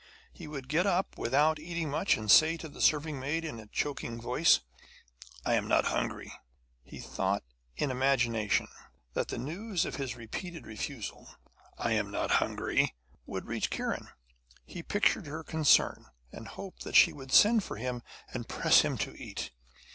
He would get up without eating much, and say to the serving maid in a choking voice: 'I am not hungry.' He thought in imagination that the news of his repeated refusal, 'I am not hungry,' would reach Kiran; he pictured her concern, and hoped that she would send for him, and press him to eat.